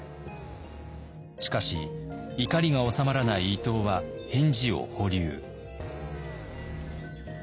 しかし怒りが収まらない伊藤は返事を保留。